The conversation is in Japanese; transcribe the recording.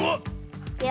いくよ。